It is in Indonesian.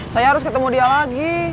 saya harus ketemu dia lagi